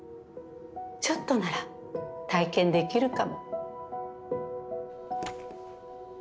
ちょっとなら体験できるかも。